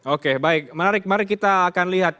oke baik menarik mari kita akan lihat